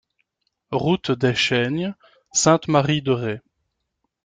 Route des Chaignes, Sainte-Marie-de-Ré